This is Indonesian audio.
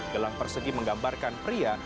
gelang persegi menggambarkan pria